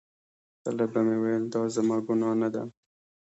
کله به مې ویل دا زما ګناه نه ده.